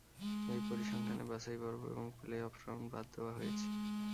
এই পরিসংখ্যানে বাছাইপর্ব এবং play-off round বাদ দেওয়া হয়েছে।